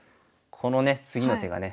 このね次の手がね。